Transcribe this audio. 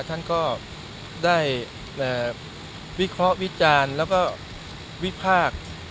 ท่านก็ได้วิเคราะห์วิจารณ์แล้วก็วิพากษ์